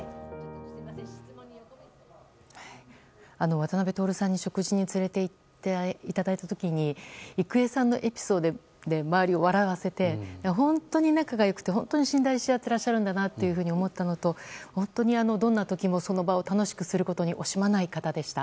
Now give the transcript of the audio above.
渡辺徹さんに、食事に連れて行っていただいた時に郁恵さんのエピソードで周りを笑わせて本当に仲が良くて、本当に信頼し合っていらっしゃるんだなと思ったのと、本当に、どんな時もその場を楽しくすることに惜しまない方でした。